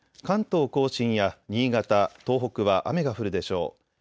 関東甲信や新潟、東北は雨が降るでしょう。